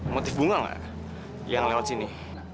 motif bunga nggak yang lewat sini